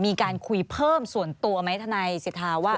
มีการคุยเพิ่มส่วนตัวไหมทนายสิทธาว่า